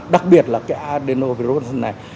đặc biệt là cái adenovirus này